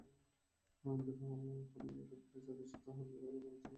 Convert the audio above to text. নরেন্দ্রকে পল্লীর লোকেরা জাতিচ্যুত করিল, কিন্তু নরেন্দ্র সে দিকে কটাক্ষপাতও করিলেন না।